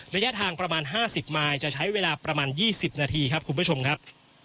ระยะทางประมาณ๕๐มายจะใช้เวลาประมาณ๒๐นาทีครับคุณผู้ชมครับ